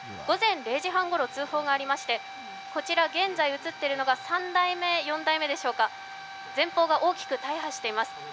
午前０時半ごろ、通報がありまして、現在映っているのが３台目、４台目でしょうか、前方が大きく大破しています。